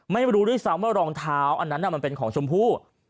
ไม่รู้ด้วยซ้ำว่ารองเท้าอันนั้นมันเป็นของชมพู่